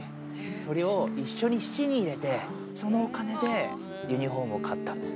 それを一緒に質に入れて、そのお金でユニホームを買ったんです。